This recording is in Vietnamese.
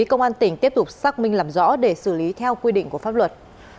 công an tỉnh tiếp tục xác minh làm rõ để xử lý theo quy định của pháp luật